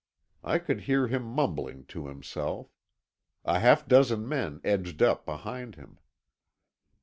I could hear him mumbling to himself. A half dozen men edged up behind him.